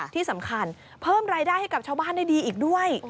ที่สำคัญเพิ่มรายได้ให้กับชาวบ้านได้ดีอีกด้วย